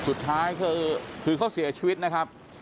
สุดท้ายคือเขาเสียชีวิตนะครับ